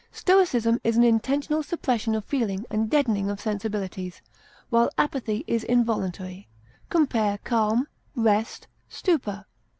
Stoicism is an intentional suppression of feeling and deadening of sensibilities, while apathy is involuntary. Compare CALM; REST; STUPOR.